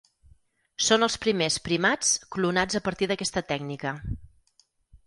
Són els primers primats clonats a partir d'aquesta tècnica.